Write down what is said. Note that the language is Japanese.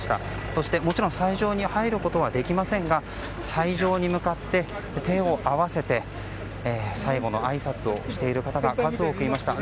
そしてもちろん斎場に入ることはできませんが斎場に向かって、手を合わせて最後のあいさつをしている方が数多くいました。